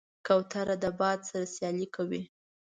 کوتره د باد سره سیالي کوي.